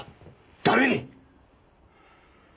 誰に？